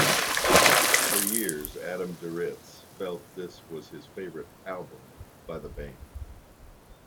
For years Adam Duritz felt this was his favorite album by the band.